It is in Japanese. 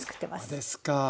そうですか。